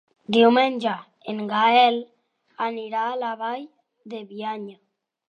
Diumenge en Gaël anirà a la Vall de Bianya.